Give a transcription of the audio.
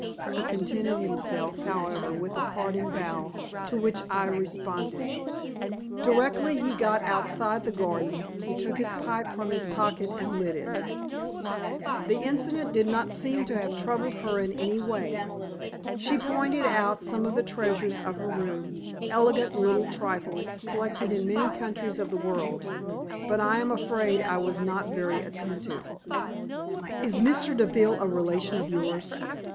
He contented himself, however, with a parting bow, to which I responded. Directly he got outside the garden he took his pipe from his pocket and lit it. The incident did not seem to have troubled her in any way. She pointed out some of the treasures of her room, elegant little trifles, collected in many countries of the world, but I am afraid I was not very attentive. "Is Mr. Deville a relation of yours?"